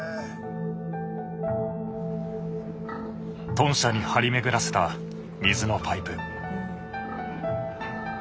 豚舎に張り巡らせた水のパイプ。